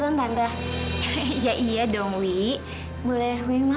tante masih sedih ya